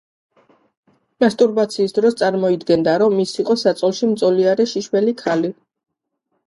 მასტურბაციის დროს წარმოიდგენდა, რომ ის იყო საწოლში მწოლიარე შიშველი ქალი.